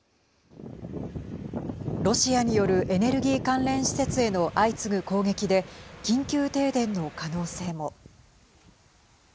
ロシアによるエネルギー関連施設への相次ぐ攻撃で緊急停電の可能性も。